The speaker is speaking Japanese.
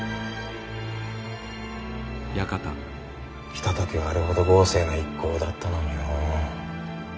来た時はあれほど豪勢な一行だったのにのう。